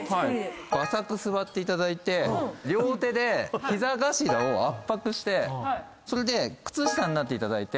浅く座っていただいて両手で膝頭を圧迫してそれで靴下になっていただいて。